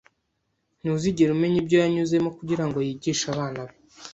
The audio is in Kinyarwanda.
Ntuzigera umenya ibyo yanyuzemo kugirango yigishe abana be